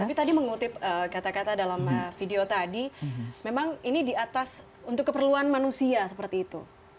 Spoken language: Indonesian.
tapi tadi mengutip kata kata dalam video tadi memang ini di atas untuk keperluan manusia seperti itu